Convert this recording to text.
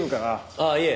あっいえ。